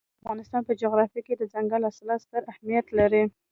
د افغانستان په جغرافیه کې دځنګل حاصلات ستر اهمیت لري.